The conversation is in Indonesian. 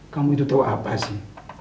kamu itu tahu apa sih